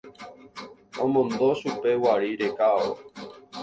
Omondo chupe guari rekávo.